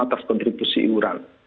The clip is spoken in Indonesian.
atas kontribusi iuran